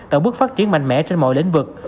tạo bước phát triển mạnh mẽ trên mọi lĩnh vực